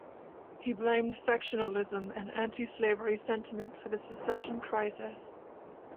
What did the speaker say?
He blamed sectionalism and anti-slavery sentiment for the secession crisis.